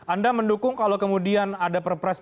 anda mendukung kalau kemudian ada perpres